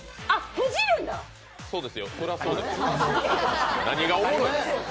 そりゃそうですよ。